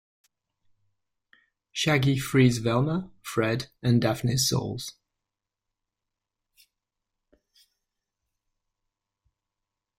Shaggy frees Velma, Fred, and Daphne's souls.